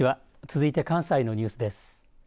続いて関西のニュースです。